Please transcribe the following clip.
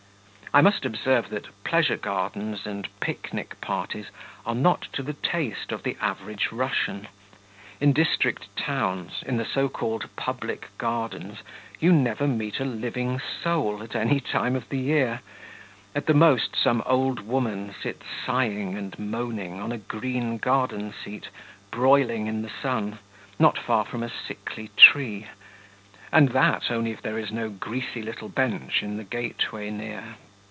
I must observe that pleasure gardens and picnic parties are not to the taste of the average Russian. In district towns, in the so called public gardens, you never meet a living soul at any time of the year; at the most, some old woman sits sighing and moaning on a green garden seat, broiling in the sun, not far from a sickly tree and that, only if there is no greasy little bench in the gateway near.